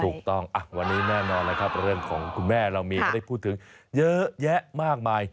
ถูกต้องวันนี้แน่นอนแล้วครับเรื่องของคุณแม่เรามีให้ได้พูดถึงเยอะแยะมากมาย